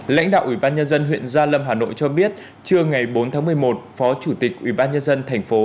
lãnh đạo ubnd huyện gia lâm hà nội cho biết trưa ngày bốn tháng một mươi một phó chủ tịch ubnd thành phố